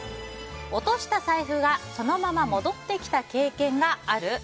落とした財布がそのまま戻ってきた経験がある？